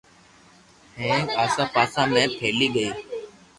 ھینگ آسا پاسا ۾ ڦیھلِي گئي